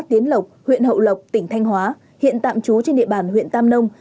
nguyễn văn lộc huyện hậu lộc tỉnh thanh hóa hiện tạm trú trên địa bàn huyện tam nông